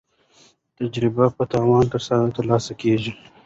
تجربه په تاوان ترلاسه کیږي.